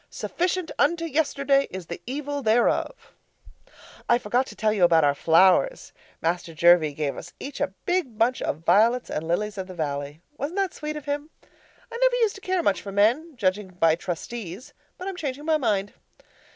Sufficient unto yesterday is the evil thereof. I forgot to tell you about our flowers. Master Jervie gave us each a big bunch of violets and lilies of the valley. Wasn't that sweet of him? I never used to care much for men judging by Trustees but I'm changing my mind.